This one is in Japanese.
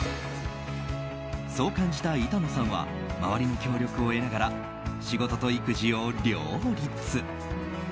そう感じた板野さんは周りの協力を得ながら仕事と育児を両立。